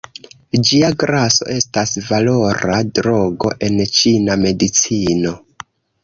Ĝia graso estas valora drogo en ĉina medicino.